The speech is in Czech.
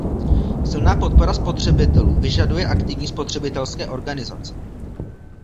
Silná podpora spotřebitelů vyžaduje aktivní spotřebitelské organizace.